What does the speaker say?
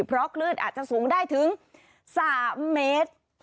เพราะคลื่นอาจจะสูงได้ถึง๓เมตร